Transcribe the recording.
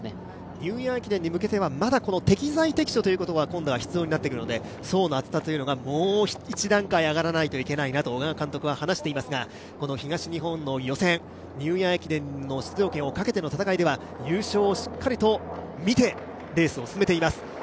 ニューイヤー駅伝に向けては適材適所という言葉が必要になってくるので層の厚さがもう１段階上がらないといけないなと小川監督は話していますが、東日本の予選ニューイヤー駅伝の出場権をかけての戦いでは優勝をしっかりと見て、レースを進めています。